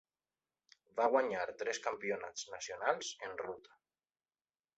Va guanyar tres Campionats nacionals en ruta.